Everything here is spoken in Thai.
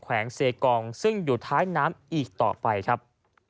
แวงเซกองซึ่งอยู่ท้ายน้ำอีกต่อไปครับ